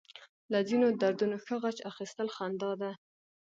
له ځينو دردونو ښه غچ اخيستل خندا ده.